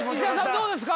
どうですか？